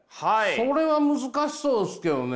それは難しそうですけどね。